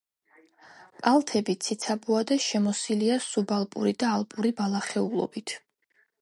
კალთები ციცაბოა და შემოსილია სუბალპური და ალპური ბალახეულობით.